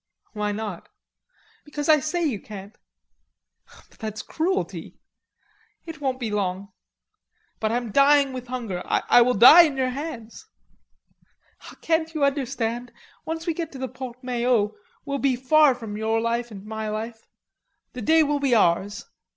"Why not?" "Because I say you can't." "But that's cruelty." "It won't be long." "But I am dying with hunger. I will die in your hands." "Can't you understand? Once we get to the Porte Maillot we'll be far from your life and my life. The day will be ours.